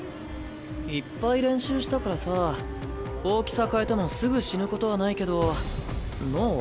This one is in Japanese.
いっぱい練習したからさ大きさ変えてもすぐ死ぬことはないけど脳？